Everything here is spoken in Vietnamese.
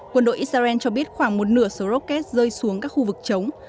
quân đội israel cho biết khoảng một nửa số rocket rơi xuống các khu vực chống